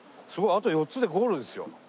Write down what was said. あと４つでゴールですよ。